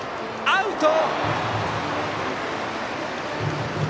アウト！